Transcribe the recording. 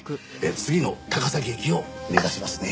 次の高崎駅を目指しますね。